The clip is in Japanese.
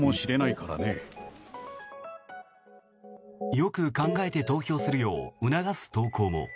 よく考えて投票するよう促す投稿も。